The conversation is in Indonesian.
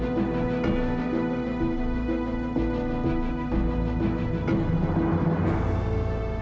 ingin melamar menantu om